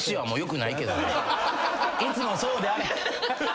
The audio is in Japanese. いつもそうであれ。